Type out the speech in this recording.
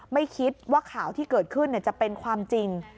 ไม่คิดว่าข่าวที่เกิดขึ้นจะเป็นความจริง